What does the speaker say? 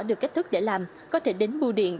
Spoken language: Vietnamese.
được cách thức để làm có thể đến bu điện